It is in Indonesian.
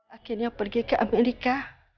akhirnya pergi ke amerika